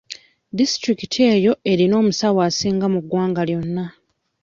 Disitulikiti eyo erina omusawo asinga mu ggwanga lyonna.